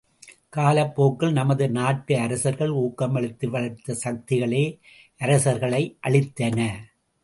காலப்போக்கில் நமது நாட்டு அரசர்கள் ஊக்கமளித்து வளர்த்த சக்திகளே அரசர்களை அழித்தன.